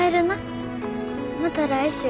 また来週。